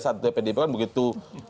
saat pdip kan begitu